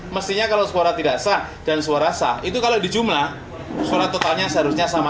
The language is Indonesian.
mestinya kalau suara tidak sah dan suara sah itu kalau dijumlah suara totalnya seharusnya sama